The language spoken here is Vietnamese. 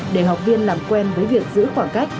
để học viên làm quen với việc giữ khoảng cách